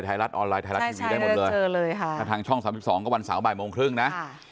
ทางช่อง๓๒ก็วันเสาร์บ่ายโมงครึ่งนะ